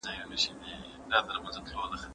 دوی تر هغه مخکې پرمختګ کړی و.